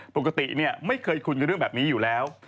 ปกติไม่เคยคุยกับเรื่องแบบนี้อยู่แล้ว